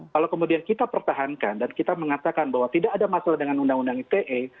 kalau kemudian kita pertahankan dan kita mengatakan bahwa tidak ada masalah dengan undang undang ite